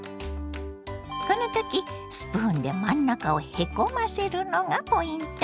この時スプーンで真ん中をへこませるのがポイント。